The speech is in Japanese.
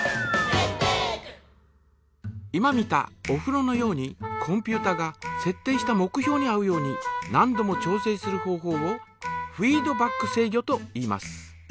今見たおふろのようにコンピュータがせっ定した目標に合うように何度も調整する方法をフィードバック制御といいます。